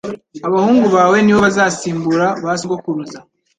Abahungu bawe ni bo bazasimbura ba sogokuruza